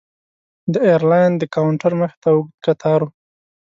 د ایرلاین د کاونټر مخې ته اوږد کتار و.